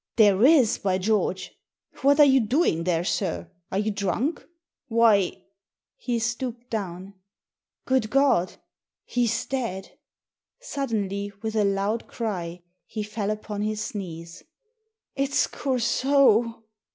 " There is, by George ! What are you doing there, sir? Are you drunk? Why " He stooped down. "Good God! He's dead!" Suddenly, with a loud cry, he fell upon his knees. "It'sCoursault!" ..